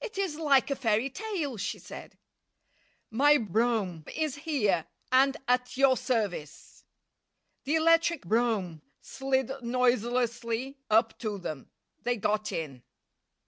"It is like a fairy tale," she said. "My brougham is here, and at your service." The electric brougham slid noiselessly up to them. They got in.